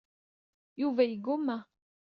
Yuba yegguma.